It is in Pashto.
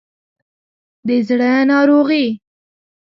د زړه ناروغي